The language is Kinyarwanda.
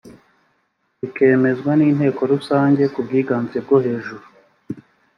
bikemezwa n’inteko rusange ku bwiganze bwo hejuru